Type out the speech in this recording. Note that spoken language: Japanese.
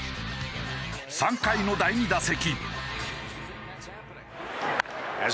３回の第２打席。